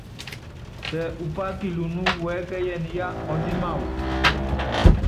Tɛ upá kilunú, uɛ́kɛ́yɛnɛ yá ɔními wawɔ.